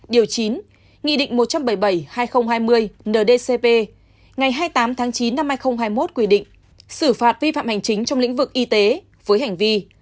điều chín nghị định một trăm bảy mươi bảy hai nghìn hai mươi ndcp ngày hai mươi tám tháng chín năm hai nghìn hai mươi một quy định xử phạt vi phạm hành chính trong lĩnh vực y tế với hành vi